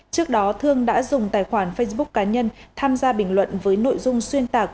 trước đó thương đã dùng tài khoản facebook cá nhân tham gia bình luận với nội dung xuyên tạc